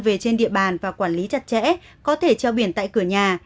về trên địa bàn và quản lý chặt chẽ có thể treo biển tại cửa nhà